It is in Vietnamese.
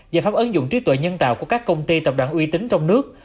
và pháp ấn dụng trí tuệ nhân tạo của các công ty tập đoàn uy tín trong nước